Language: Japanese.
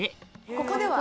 ここでは。